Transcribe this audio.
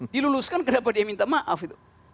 diluluskan kenapa dia minta maaf itu